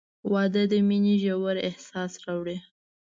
• واده د مینې ژور احساس راوړي.